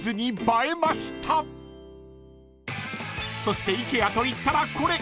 ［そしてＩＫＥＡといったらこれ］